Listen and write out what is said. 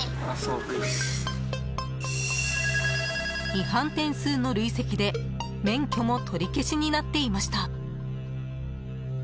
違反点数の累積で免許も取り消しになっていました。